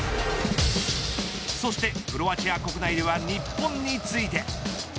そして、クロアチア国内では日本について。